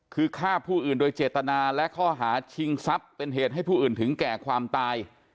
คือฆ่าผู้อื่นโดยเจตนาและข้อหาชิงทรัพย์เป็นเหตุให้ผู้อื่นถึงแก่ความตาย